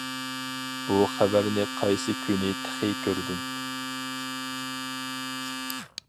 بۇ خەۋەرنى قايسى كۈنى تېخى كۆردۈم.